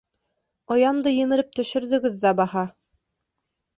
Оямды емереп төшөрҙөгөҙ ҙә баһа.